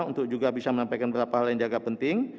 untuk juga bisa menyampaikan beberapa hal yang jaga penting